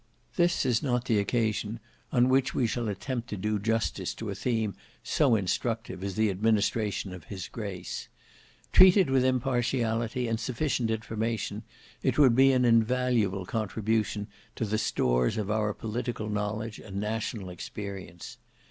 This is not the occasion on which we shall attempt to do justice to a theme so instructive as the administration of his grace. Treated with impartiality and sufficient information, it would be an invaluable contribution to the stores of our political knowledge and national experience.